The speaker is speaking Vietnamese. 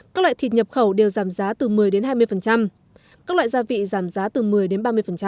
các loại thịt nhập khẩu đều giảm giá từ một mươi đến hai mươi các loại gia vị giảm giá từ một mươi đến ba mươi